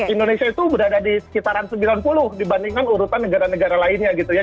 indonesia itu berada di sekitaran sembilan puluh dibandingkan urutan negara negara lainnya gitu ya